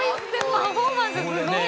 パフォーマンスすごいですね。